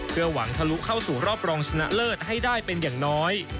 เพื่อหวังทะลุเข้าสู่รอบรองชนะเลิศให้ได้เป็นอย่างน้อย